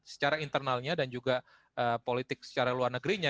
secara internalnya dan juga politik secara luar negerinya